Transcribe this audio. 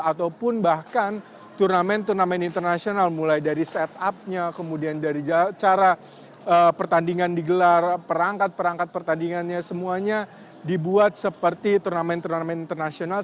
ataupun bahkan turnamen turnamen internasional mulai dari set up nya kemudian dari cara pertandingan digelar perangkat perangkat pertandingannya semuanya dibuat seperti turnamen turnamen internasional